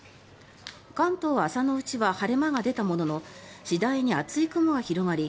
関東は朝のうちは晴れ間が出たものの次第に厚い雲が広がり